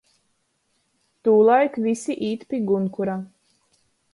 Tūlaik vysi īt pi gunkura.